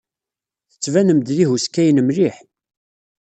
Tettbanem-d d ihuskayen mliḥ.